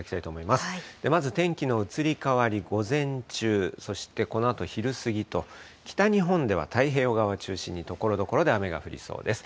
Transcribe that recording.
まず、天気の移り変わり、午前中、そしてこのあと昼過ぎと、北日本では太平洋側を中心にところどころで雨が降りそうです。